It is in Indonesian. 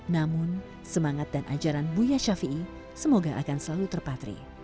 namun semangat dan ajaran buya shafi'i semoga akan selalu terpatri